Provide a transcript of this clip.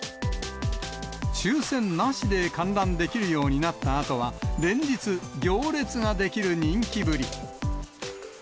抽せんなしで観覧できるようになったあとは、連日、行列が出来る人気ぶり。